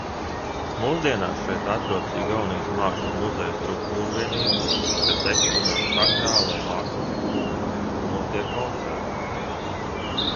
Mūsdienās šeit atrodas Igaunijas mākslas muzeja struktūrvienība, kas eksponē sakrālo mākslu, notiek koncerti.